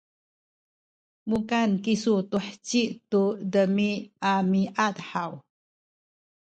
mukan kisu tu heci tu demiamiad haw?